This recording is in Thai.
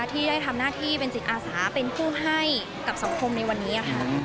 ที่ได้ทำหน้าที่เป็นจิตอาสาเป็นผู้ให้กับสังคมในวันนี้ค่ะ